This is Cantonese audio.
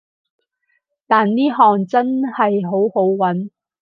但呢行真係好好搵